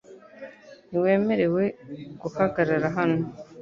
Ntiwemerewe guhagarara hano .